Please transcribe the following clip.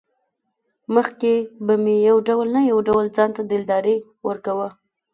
مخکې به مې يو ډول نه يو ډول ځانته دلداري ورکوه.